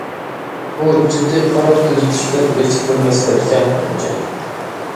بۇ جىددىي قاراپ تۈزىتىشكە تېگىشلىك بىر مەسىلە ئىكەن مەنچە.